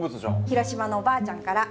広島のおばあちゃんから。